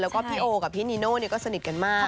แล้วก็พี่โอกับพี่นีโน่ก็สนิทกันมาก